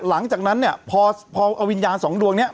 หลังจากนั้นเนี่ยพอเอาวิญญาณสองดวงนี้